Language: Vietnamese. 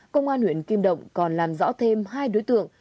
công an huyện kim động còn làm rõ thêm hai đối tượng